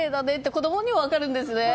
こどもにも分かるんですね。